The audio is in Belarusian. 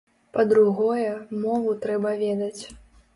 Па-другое, мову трэба ведаць.